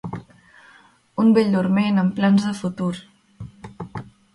Un bell dorment amb plans de futur.